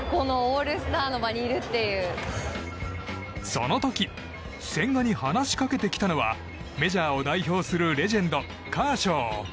その時千賀に話しかけてきたのはメジャーを代表するレジェンドカーショー。